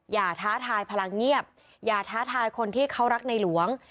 ท้าทายพลังเงียบอย่าท้าทายคนที่เขารักในหลวง